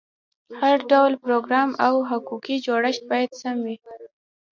هر ډول پروګرام او حقوقي جوړښت باید سم وي.